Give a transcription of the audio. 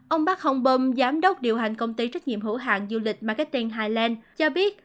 ông bác hồng bôm giám đốc điều hành công ty trách nhiệm hữu hàng du lịch marketing highland cho biết